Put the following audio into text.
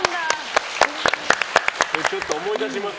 ちょっと思い出します？